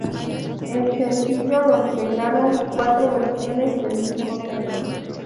El sencillo lo integraron cuatro versiones del mismo tema.